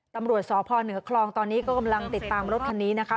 ตำรวจสพเหนือคลองตอนนี้ก็กำลังติดตามรถคันนี้นะคะ